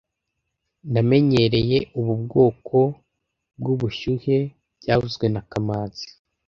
Namenyereye ubu bwoko bwubushyuhe byavuzwe na kamanzi